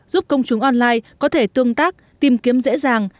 giúp công chúng online có thể tương tác tìm kiếm dễ dàng